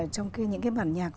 trong những cái bản nhạc